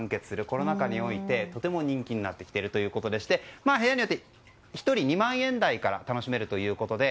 コロナ禍においてとても人気になっているということで部屋によって１人２万円台から楽しめるということで